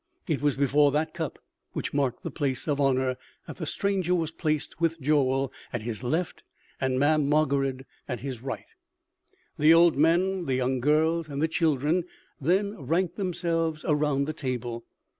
It was before that cup, which marked the place of honor, that the stranger was placed with Joel at his left and Mamm' Margarid at his right. The old men, the young girls and the children then ranked themselves around the table.